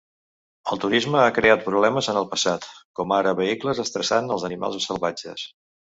El turisme ha crear problemes en el passat, com ara vehicles estressant els animals salvatges.